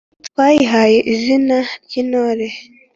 Twayihaye izina ry'intore